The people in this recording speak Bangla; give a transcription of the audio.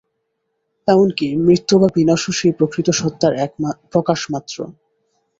এমন কি, মৃত্যু বা বিনাশও সেই প্রকৃত সত্তার প্রকাশমাত্র।